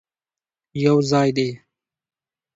یوځای دې،